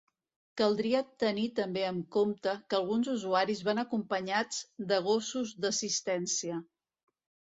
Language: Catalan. Caldria tenir també en compte que alguns usuaris van acompanyats de gossos d'assistència.